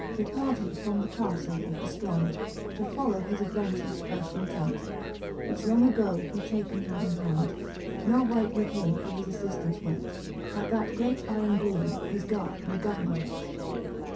Departed from the caftle of the Strond, To follow his adventures firft intent, Which long agoe he taken had in hond : Ne wight with him for his affiftance went, But that great yron groome, his gard and government.